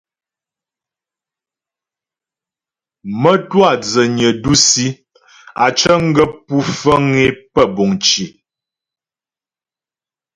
Mə́twâ dzənyə dǔsi á cəŋ gaə́ pú fəŋ é pə́ buŋ cì.